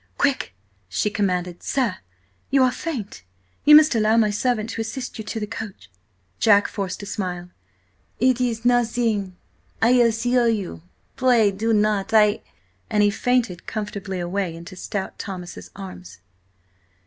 "Quick!" she commanded. "Sir, you are faint! You must allow my servant to assist you to the coach." Jack forced a smile. "It is–nothing–I assure you–pray do not–I—" and he fainted comfortably away into stout Thomas's arms.